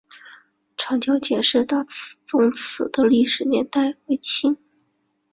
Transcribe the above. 长教简氏大宗祠的历史年代为清。